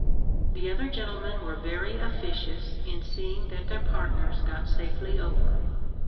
The other gentlemen were very officious in seeing that their partners got safely over.